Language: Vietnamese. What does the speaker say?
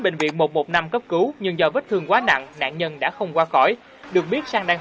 bệnh viện một trăm một mươi năm cấp cứu nhưng do vết thương quá nặng nạn nhân đã không qua khỏi được biết sang đang